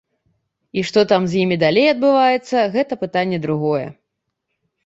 І што там з імі далей адбываецца, гэта пытанне другое.